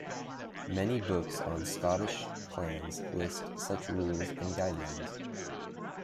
Many books on Scottish clans list such rules and guidelines.